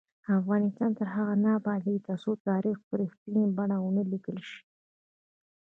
افغانستان تر هغو نه ابادیږي، ترڅو تاریخ په رښتینې بڼه ونه لیکل شي.